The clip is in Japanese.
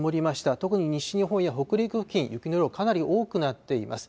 特に西日本や北陸付近、雪の量、かなり多くなっています。